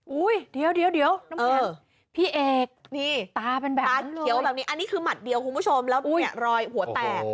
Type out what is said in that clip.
อุ้ยเดี๋ยวน้ำแข็งพี่เอกตาเป็นแบบนั้นเลยอันนี้คือหมัดเดียวคุณผู้ชมแล้วเนี่ยรอยหัวแตก